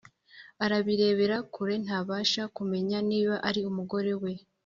arabirebera kure ntabasha kumenya niba ari umugorewe